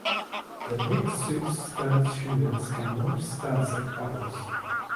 The mech suit’s stud shooters can launch studs at Bubbles.